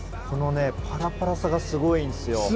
このパラパラさがすごいんすよ。